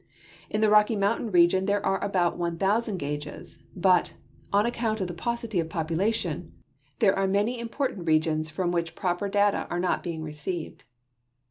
In tlie Rocky mountain region there are about 1,000 gauges, but, on account of the paucity of poj)ulation, tliere are many imj)ortant regions from Avhich pro])cr data are not being re ceived.